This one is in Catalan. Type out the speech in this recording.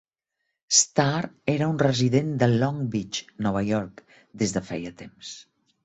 Stahr era un resident de Long Beach (Nova York) des de feia temps.